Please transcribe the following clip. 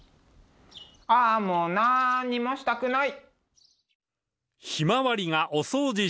ああもうなんにもしたくない！